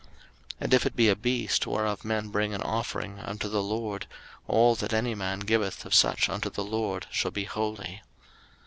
03:027:009 And if it be a beast, whereof men bring an offering unto the LORD, all that any man giveth of such unto the LORD shall be holy.